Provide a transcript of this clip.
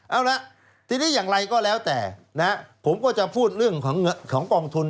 เอาละทีนี้อย่างไรก็แล้วแต่นะผมก็จะพูดเรื่องของกองทุน